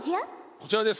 こちらです。